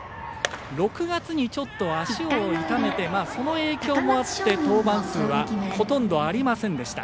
６月にちょっと足を痛めてその影響もあって登板数はほとんどありませんでした。